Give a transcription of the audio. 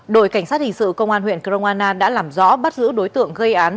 đội cảnh sát hình sự công an huyện kroana đã làm rõ bắt giữ đối tượng gây án